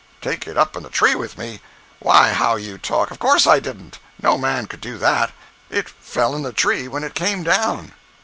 "Take it up in the tree with me? Why, how you talk. Of course I didn't. No man could do that. It fell in the tree when it came down."